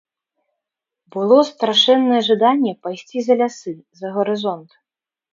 Было страшэннае жаданне пайсці за лясы, за гарызонт.